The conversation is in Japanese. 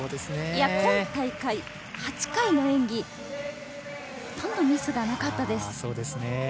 今大会８回の演技、ほとんどミスがなかったです。